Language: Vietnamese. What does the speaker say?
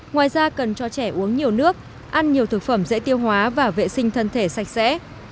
ngoài ra cần cho trẻ uống nhiều nước ăn nhiều thực phẩm dễ tiêu hóa và vệ sinh thân thể sạch sẽ